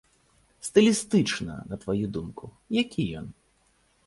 Стылістычна, на тваю думку, які ён?